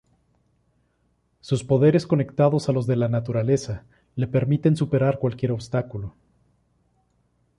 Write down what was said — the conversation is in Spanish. Sus poderes conectados a los de la naturaleza le permiten superar cualquier obstáculo.